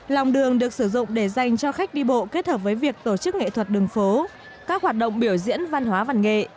lòng đường được sử dụng để dành cho khách đi bộ kết hợp với việc tổ chức nghệ thuật đường phố các hoạt động biểu diễn văn hóa văn nghệ